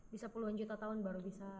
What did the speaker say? bisa puluhan juta tahun baru bisa